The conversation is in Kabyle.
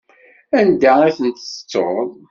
Anda i ten-tettuḍ?